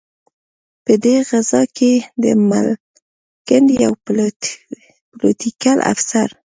په دې غزا کې د ملکنډ یو پلوټیکل افسر.